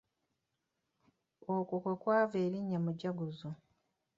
Okwo kwe kwava erinnya Mujaguzo.